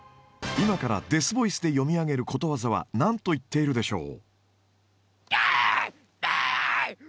今からデスボイスで読み上げることわざは何と言っているでしょう？